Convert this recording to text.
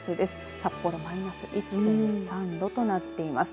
札幌、マイナス１．３度となっています。